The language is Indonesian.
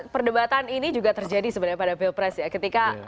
perdebatan ini juga terjadi sebenarnya pada pilpres ya